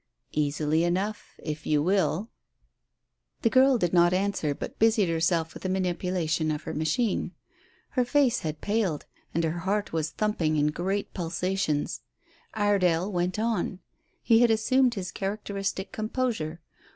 "Easily enough, if you will." The girl did not answer, but busied herself with the manipulation of her machine. Her face had paled, and her heart was thumping in great pulsations. Iredale went on. He had assumed his characteristic composure.